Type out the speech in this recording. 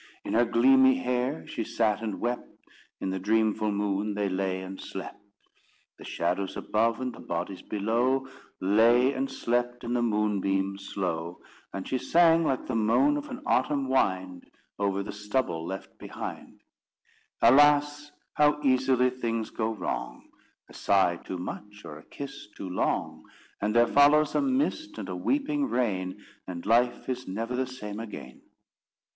In her gleamy hair she sat and wept; In the dreamful moon they lay and slept; The shadows above, and the bodies below, Lay and slept in the moonbeams slow. And she sang, like the moan of an autumn wind Over the stubble left behind: _Alas, how easily things go wrong! A sigh too much, or a kiss too long, And there follows a mist and a weeping rain, And life is never the same again.